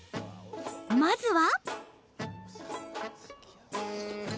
まずは。